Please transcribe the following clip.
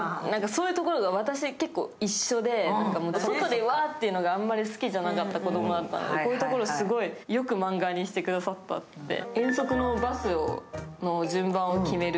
そういうところが私、結構一緒で外でワーッというのがあまり好きじゃなかった子供で、こういうところ、よくマンガにしてくださったって。